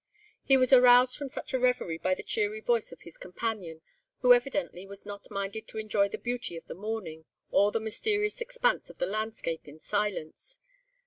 He was aroused from such a reverie by the cheery voice of his companion, who evidently was not minded to enjoy the beauty of the morning, or the mysterious expanse of the landscape in silence.